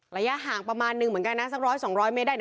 ระยะห่างประมาณหนึ่งเหมือนกันนะสักร้อยสองร้อยเมตรได้